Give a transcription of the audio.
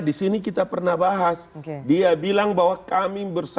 di sini kita pernah bahas